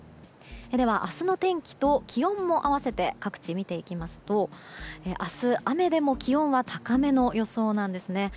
では、明日の天気と気温を併せて各地、見ていきますと明日雨でも気温が高めの予想なんですね。